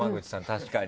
確かに。